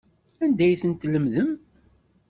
Anda ay ten-tlemdem?